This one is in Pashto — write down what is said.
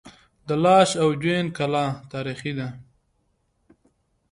د لاش او جوین کلا تاریخي ده